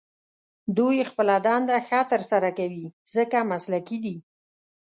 دوی خپله دنده ښه تر سره کوي، ځکه مسلکي دي.